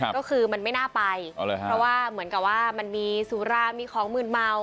ก็คือมันไม่น่าไปเพราะว่าเหมือนกับว่ามันมีสุรามีของมืนเมา